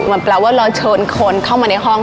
มันแปลว่าเราเชิญคนเข้ามาในห้อง